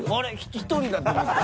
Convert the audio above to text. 一人だ！」と思って。